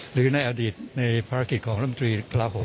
หรือในอดีตในภารกิจของรัฐมนตรี